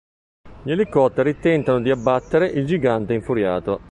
Gli elicotteri tentano di "abbattere" il gigante infuriato.